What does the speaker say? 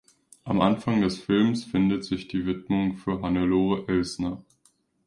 Am Anfang des Filmes findet sich die Widmung „für Hannelore Elsner“.